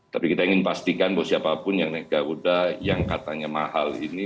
tapi kita ingin pastikan buat siapa pun yang garuda yang katanya mahal ini